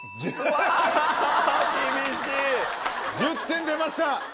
１０点出ました！